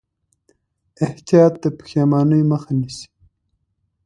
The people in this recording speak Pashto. احتیاط د پښېمانۍ مخه نیسي.